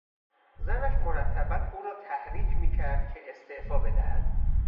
زنش مرتبا او را تحریک میکرد که استعفا بدهد.